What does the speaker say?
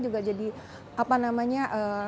juga jadi apa namanya